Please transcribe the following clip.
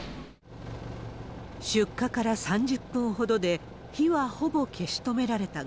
出火から３０分ほどで、火はほぼ消し止められたが。